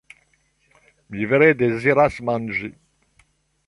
Mi vere deziras manĝi.